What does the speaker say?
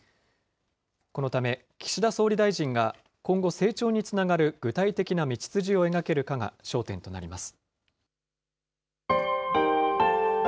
このため、岸田総理大臣が今後、成長につながる具体的な道筋を描けるかが焦点となります。